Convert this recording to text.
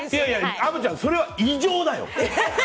虻ちゃん、それは異常だよ。